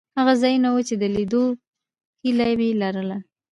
دا هغه ځایونه وو چې د لیدو هیله مې لرله.